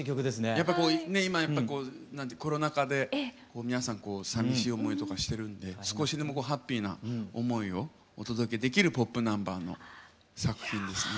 やっぱりこう今コロナ禍で皆さんさみしい思いとかしてるんで少しでもハッピーな思いをお届けできるポップナンバーの作品にしてね。